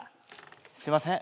すいません。